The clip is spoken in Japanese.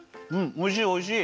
おいしいおいしい！